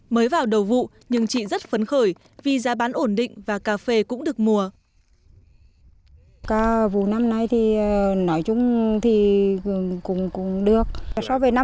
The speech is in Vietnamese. mới vào đầu vụ nhưng chị rất phấn khởi vì giá bán ổn định và cà phê cũng được mùa